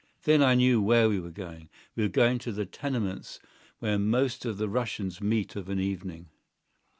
Then I knew where we were going. We were going to the tenements where most of the Russians meet of an evening.